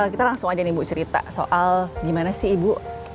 kita langsung aja nih bu cerita soal gimana sih ibu